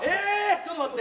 ちょっと待って。